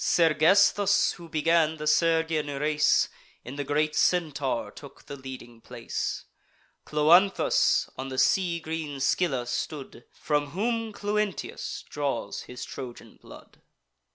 Sergesthus, who began the Sergian race, In the great Centaur took the leading place; Cloanthus on the sea green Scylla stood, From whom Cluentius draws his Trojan blood.